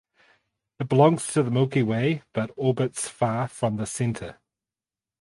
It belongs to the Milky Way but orbits far from the centre.